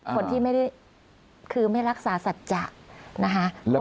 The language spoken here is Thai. คนที่ไม่ได้คือไม่รักษาสัจจะนะคะ